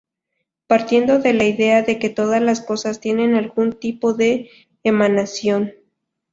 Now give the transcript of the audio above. Partiendo de la idea de que todas las cosas tienen algún tipo de emanación.